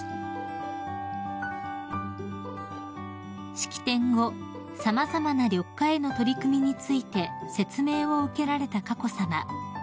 ［式典後様々な緑化への取り組みについて説明を受けられた佳子さま］